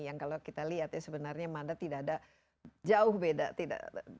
yang kalau kita lihat sebenarnya manda tidak ada jauh beda